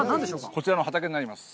こちらの畑になります。